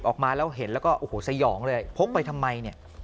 ออกมาแล้วเห็นแล้วก็โอ้โหสยองเลยพกไปทำไมเนี่ย